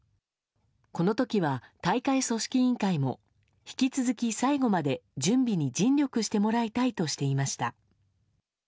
この時は、大会組織委員会も引き続き最後まで準備に尽力してもらいたいとしていました。